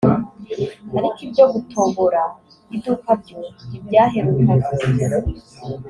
ariko ibyo gutobora iduka byo ntibyaherukaga